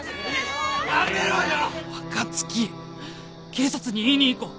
警察に言いに行こう